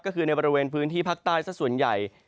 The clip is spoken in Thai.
ก็คือในบริเวณพื้นที่ภาคใต้สักส่วนใหญ่